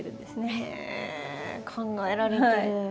へえ考えられてる。